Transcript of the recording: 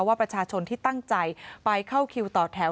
ว่าประชาชนที่ตั้งใจไปเข้าคิวต่อแถว